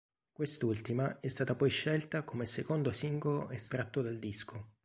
Quest'ultima è stata poi scelta come secondo singolo estratto dal disco.